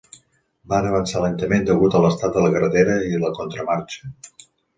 Van avançar lentament degut a l'estat de la carretera i a la contramarxa.